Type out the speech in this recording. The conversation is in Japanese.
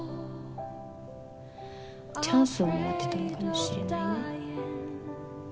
チャンスをもらってたのかもしれないね。